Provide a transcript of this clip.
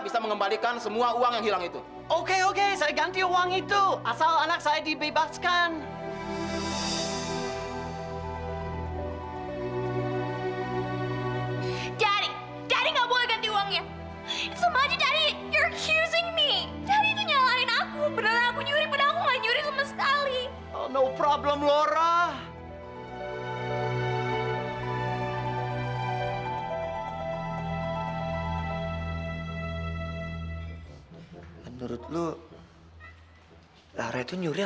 sampai jumpa di video selanjutnya